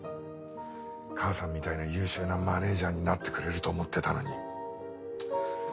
母さんみたいな優秀なマネジャーになってくれると思ってたのに。